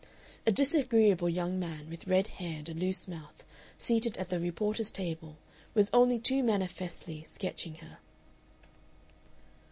A disagreeable young man, with red hair and a loose mouth, seated at the reporter's table, was only too manifestly sketching her.